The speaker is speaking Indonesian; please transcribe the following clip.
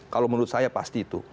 kalau menurut saya pasti itu